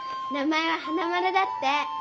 名前は花丸だって。